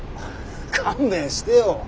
勘弁してよ。